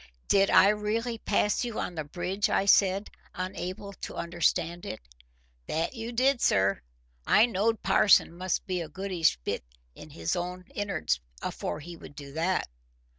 "Did I really pass you on the bridge?" I said, unable to understand it. "That you did, sir. I knowed parson must be a goodish bit in his own in'ards afore he would do that."